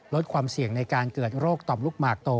ลดความเสี่ยงในการเกิดโรคต่อมลูกหมากโต